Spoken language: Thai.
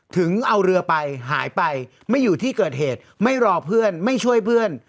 ถึงเอาเรือไปหายไปไม่อยู่ที่เกิดเหตุไม่รอเพื่อนไม่ช่วยเพื่อน